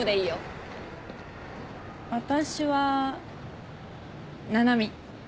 私は七海。